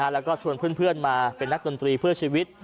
แล้วก็ชวนเพื่อนมาเป็นนักดนตรีเพื่อชีวิต